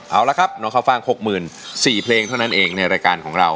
เอาละครับน้องข้าวฟ่าง๖๔เพลงเท่านั้นเองในรายการของเรา